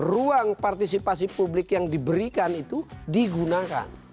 ruang partisipasi publik yang diberikan itu digunakan